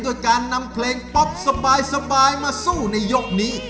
ด้วยการนำเพลงป๊อปสบายมาสู้ในยกนี้